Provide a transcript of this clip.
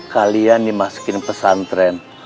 kalian dimasukin pesantren